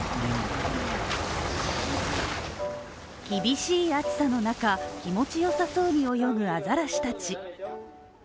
厳しい暑さの中、気持ちよさそうに泳ぐあざらしたち。